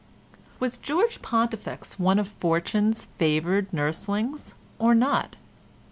Was George Pontifex one of Fortune's favoured nurslings or not?